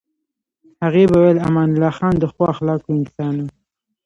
هغې به ویل امان الله خان د ښو اخلاقو انسان و.